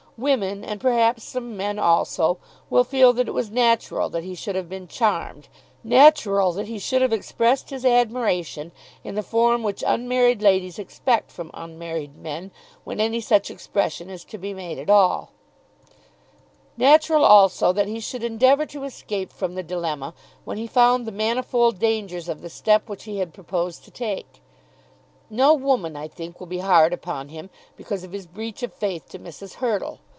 Women, and perhaps some men also, will feel that it was natural that he should have been charmed, natural that he should have expressed his admiration in the form which unmarried ladies expect from unmarried men when any such expression is to be made at all; natural also that he should endeavour to escape from the dilemma when he found the manifold dangers of the step which he had proposed to take. No woman, I think, will be hard upon him because of his breach of faith to Mrs. Hurtle.